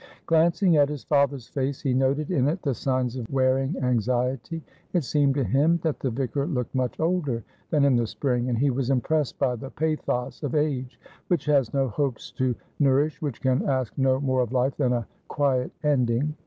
Glancing at his father's face, he noted in it the signs of wearing anxiety; it seemed to him that the vicar looked much older than in the spring, and he was impressed by the pathos of age, which has no hopes to nourish, which can ask no more of life than a quiet ending.